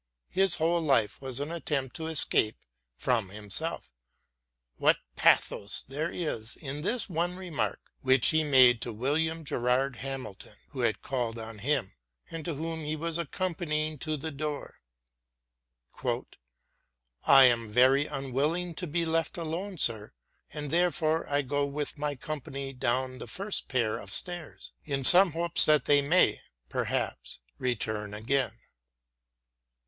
His whole life was an attempt to escape from himself. What pathos there is in this one remark which he made to William Gerard Hamilton, who had called on him and whom he was accompanying to the door : 28 SAMUEL JOHNSON " I am very unwilling to be left alone, sir, and therefore I go with my company down the first pair of stairs, in some hopes that they may, perhaps, return again."